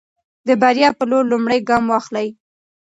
د بریا په لور لومړی ګام واخلئ.